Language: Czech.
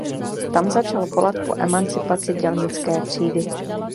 Tam začal volat po emancipaci dělnické třídy.